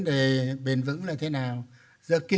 tập trung vào một mươi năm gần đây